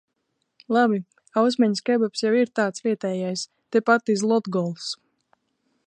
Labi, Ausmeņas kebabs jau ir tāds vietējais, tepat iz Latgols.